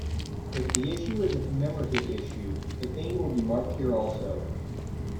If the issue is a commemorative issue, the theme will be marked here also.